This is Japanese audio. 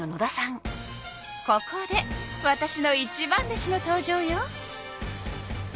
ここでわたしの一番弟子の登場よ。